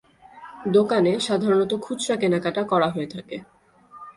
দোকানে সাধারণতঃ খুচরা কেনাকাটা করা হয়ে থাকে।